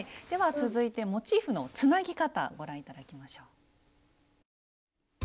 では続いてモチーフのつなぎ方ご覧頂きましょう。